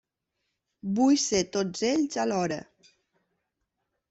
Vull ser tots ells alhora.